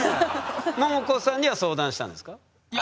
ももこさんには相談したんですか？